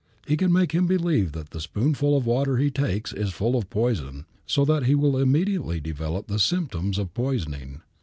He can make him believe that the spoonful of water he takes is full of poison so that he will immediately develop the symptoms of poisoning.